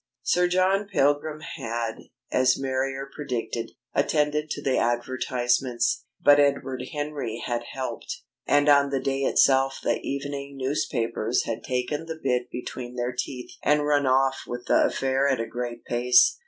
Sir John Pilgrim had, as Marrier predicted, attended to the advertisements. But Edward Henry had helped. And on the day itself the evening newspapers had taken the bit between their teeth and run off with the affair at a great pace.